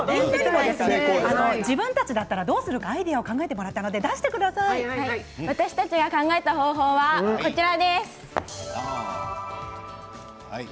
自分たちだったらどうするかアイデアを私たちが考えた方法はこちらです。